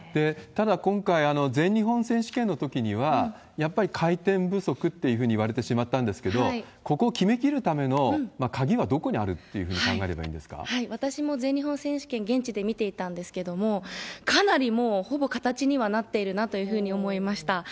ただ今回、全日本選手権のときには、やっぱり回転不足っていうふうにいわれてしまったんですけれども、ここを決めきるための鍵はどこにあるっていうふうに考えればいい私も全日本選手権、現地で見ていたんですけれども、かなりもうほぼ形にはなっているなというふうに思いました。